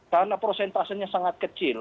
karena prosentasenya sangat kecil